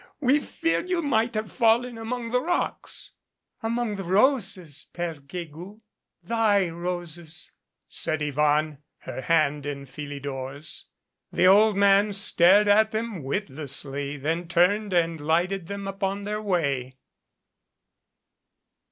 We feared you might have fallen among the rocks." "Among the roses, Pere Guegou. Thy roses " said Yvonne, her hand in Philidor's. The old man stared at them witlessly, then turned and lighted them upon their way.